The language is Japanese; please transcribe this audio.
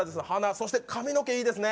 そして、髪の毛いいですね。